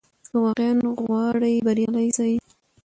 که واقعاً غواړې بریالی سې،